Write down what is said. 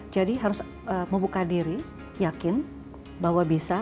jadi harus membuka diri yakin bahwa bisa